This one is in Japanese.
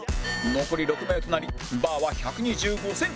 残り６名となりバーは１２５センチ